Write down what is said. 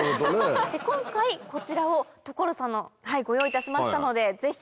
今回こちらを所さんのご用意いたしましたのでぜひ。